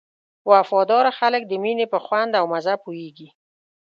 وفاداره خلک د مینې په خوند او مزه پوهېږي.